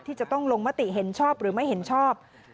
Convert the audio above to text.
ที่จะต้องลงมติเห็นชอบหรือไม่เห็นชอบ